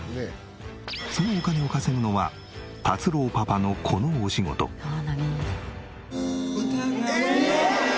そのお金を稼ぐのは達郎パパのこのお仕事。ええーっ！